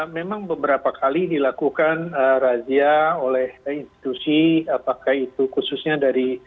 memang beberapa kali dilakukan razia oleh institusi apakah itu khususnya dari